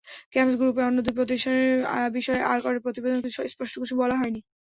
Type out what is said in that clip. কেমস গ্রুপের অন্য দুই প্রতিষ্ঠানের বিষয়ে অ্যাকর্ডের প্রতিবেদনে স্পষ্ট কিছু বলা হয়নি।